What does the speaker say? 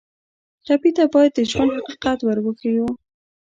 ټپي ته باید د ژوند حقیقت ور وښیو.